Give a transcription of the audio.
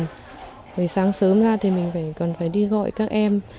rồi sáng sớm ra thì mình còn phải đi gọi các em